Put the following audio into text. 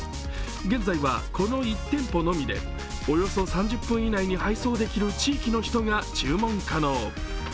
現在はこの１店舗のみでおよそ３０分以内に配送できる地域の人が注文可能。